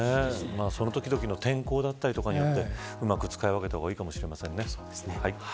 その時々の天候だったりとかによってうまく使い分けた方がいいかもしれませんね。